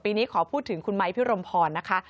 นี้ขอพูดถึงคุณไม้พิรมพรนะคะ